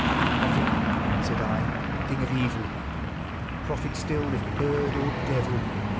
161 " Prophet !" said T, " thing of evil !— prophet still if bird or devil